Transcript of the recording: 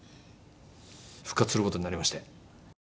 復活する事になりまして。